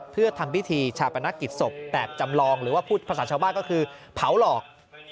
เพื่อทำพิธีชาปนกิจศพแบบจำลองหรือว่าพูดภาษาชาวบ้านก็คือเผาหลอก